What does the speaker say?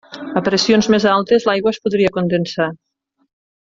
A pressions més altes l'aigua es podria condensar.